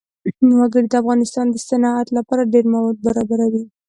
وګړي د افغانستان د صنعت لپاره ډېر مواد برابروي.